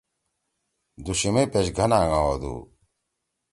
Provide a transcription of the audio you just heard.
دُوشُمے پیش گھن آنگا ہودُو۔